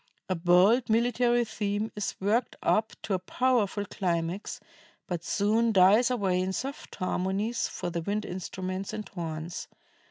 A bold military theme is worked up to a powerful climax, but soon dies away in soft harmonies for the wind instruments and horns.